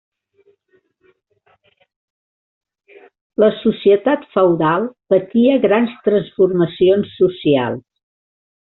La societat feudal patia grans transformacions socials.